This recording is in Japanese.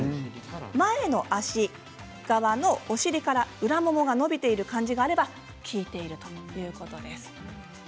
前の足側のお尻から裏ももが伸びている感じがあれば効いています。